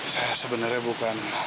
saya sebenarnya bukan